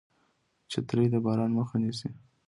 چترۍ د باران مخه نیسي